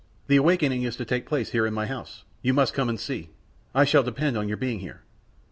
The awakening is to take place here in my house. You must come and see. I shall depend on your being here."